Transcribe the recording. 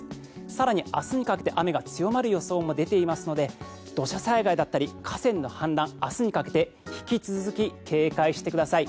更に明日にかけて雨が強まる予想も出ているので土砂災害、河川の氾濫明日にかけて引き続き警戒してください。